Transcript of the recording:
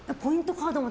カードも。